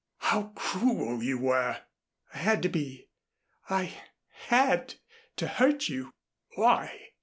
How cruel you were!" "I had to be. I had to hurt you." "Why?"